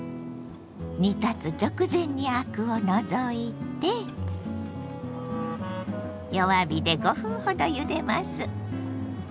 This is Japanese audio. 煮立つ直前にアクを除いて弱火で５分ほどゆでます。